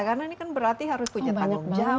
karena ini kan berarti harus punya tanggung jawab